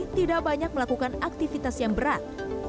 tidak banyak melakukan aktivitas yang berat